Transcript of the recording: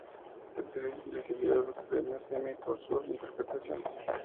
La actriz recibió dos Premios Emmy por su interpretación.